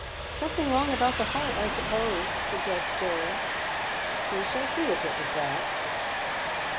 " Something wrong about the heart, I suppose," suggests Joel. " We shall see if it was that."